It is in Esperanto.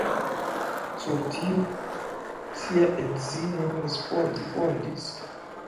Sur tio, sia edzino respondis.